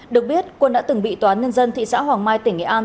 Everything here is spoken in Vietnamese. được biết quân đã từng bị toán nhân dân thị xã hoàng mai tỉnh nghệ an